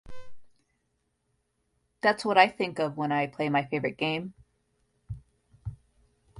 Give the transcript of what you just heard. That's what I think of when I play my favorite game.